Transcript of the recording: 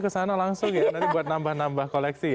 kesana langsung ya nanti buat nambah nambah koleksi ya